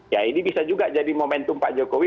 ya ini bisa juga jadi momentum pak jokowi